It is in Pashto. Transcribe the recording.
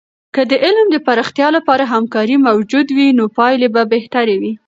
که د علم د پراختیا لپاره همکارۍ موجودې وي، نو پایلې به بهتره وي.